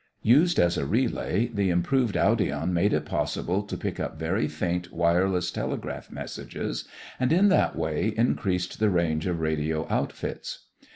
Used as a relay, the improved audion made it possible to pick up very faint wireless telegraph messages and in that way increased the range of radio outfits.